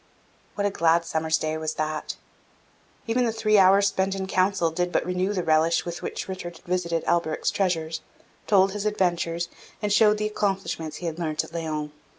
What a glad summer's day was that! Even the three hours spent in council did but renew the relish with which Richard visited Alberic's treasures, told his adventures, and showed the accomplishments he had learnt at Laon.